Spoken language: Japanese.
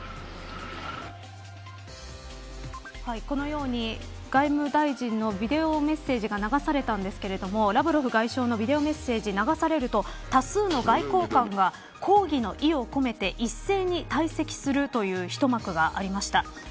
このように外務大臣のビデオメッセージが流されたんですがラブロフ外相のビデオメッセージが流されると多数の外交官が、抗議の意を込めて一斉に退席するという一幕がありました。